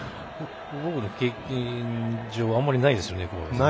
僕の経験上、あんまりないですね。